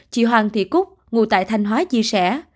chị hoàng thị cúc ngủ tại thanh hóa chia sẻ